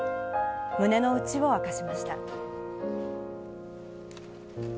胸の内を明かしました。